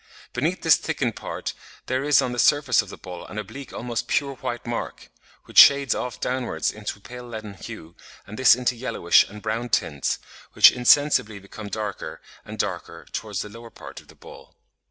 Beneath this thickened part there is on the surface of the ball an oblique almost pure white mark, which shades off downwards into a pale leaden hue, and this into yellowish and brown tints, which insensibly become darker and darker towards the lower part of the ball.